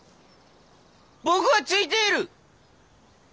「僕はついている！